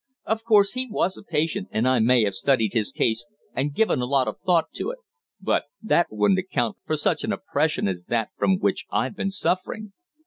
Of course he was a patient, and I may have studied his case and given a lot of thought to it, but that wouldn't account for such an oppression as that from which I've been suffering."